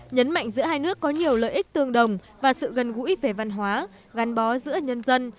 nhấn mạnh giữa hai nước có nhiều lợi ích tương đồng và sự gần gũi về văn hóa gắn bó giữa nhân dân